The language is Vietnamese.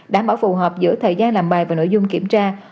đảm bảo phù hợp giữa thời gian làm bài và nội dung kiểm tra